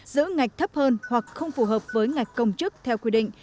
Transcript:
giữ ngạch thấp hơn hoặc không phù hợp với ngạch công chức theo quy định